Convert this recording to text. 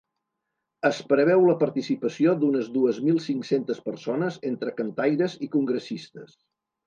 Es preveu la participació d’unes dues mil cinc-centes persones entre cantaires i congressistes.